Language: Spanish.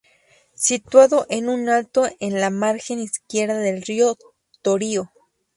Situado en un alto en la margen izquierda del Río Torío.